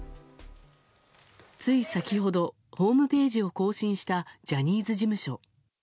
つい先ほど、ホームページを更新したジャニーズ事務所。